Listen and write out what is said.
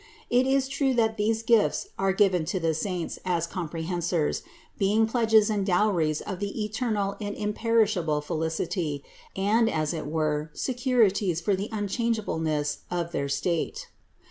It is true that these gifts are given to the saints as com prehensors, being pledges and dowries of the eternal and imperishable felicity, and as it were securities for the unchangeableness of their state.